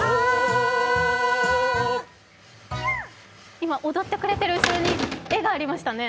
今、踊ってくれている絵が後ろにありましたね。